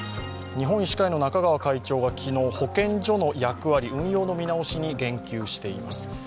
日本医師会の中川会長が昨日、保健所の役割運用の見直しに言及しています。